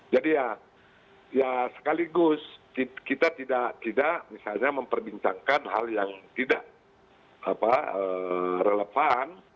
jadi ya sekaligus kita tidak misalnya memperbincangkan hal yang tidak relevan